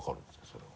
それは。